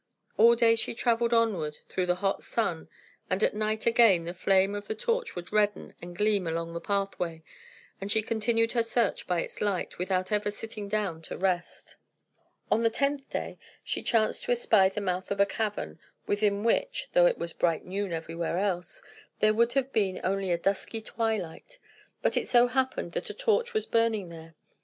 All day she travelled onward through the hot sun; and at night, again, the flame of the torch would redden and gleam along the pathway, and she continued her search by its light, without ever sitting down to rest. On the tenth day, she chanced to espy the mouth of a cavern, within which (though it was bright noon everywhere else) there would have been only a dusky twilight; but it so happened that a torch was burning there.